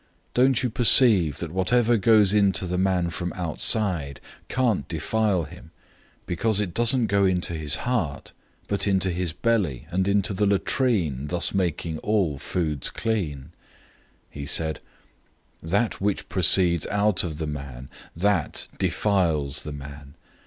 Don't you perceive that whatever goes into the man from outside can't defile him, 007:019 because it doesn't go into his heart, but into his stomach, then into the latrine, thus making all foods clean?" 007:020 He said, "That which proceeds out of the man, that defiles the man.